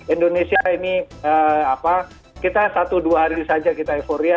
indonesia ini kita satu dua hari saja kita euforia